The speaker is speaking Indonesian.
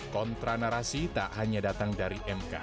kontranarasi tak hanya datang dari mk